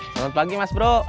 selamat pagi mas bro